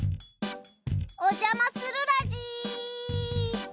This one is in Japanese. おじゃまするラジ。